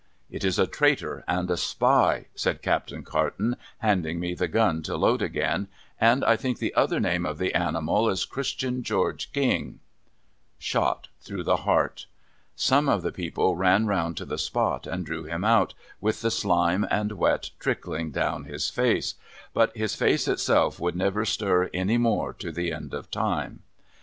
It is a Traitor and a Spy,' said Captain Carton, handing me the gun to load again. ' And I think the other name of the animal is Christian George King I ' Shot through the heart. Some of the people ran round to the spot, and drew him out, with the shme and wet trickHng down his face ; but his face itself would never stir any more to the end of time.